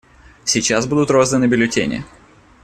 Сейчас будут розданы бюллетени.